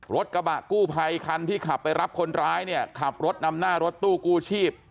รถกระบะกู้ภัยคันที่ขับไปรับคนร้ายเนี่ยขับรถนำหน้ารถตู้กู้ชีพ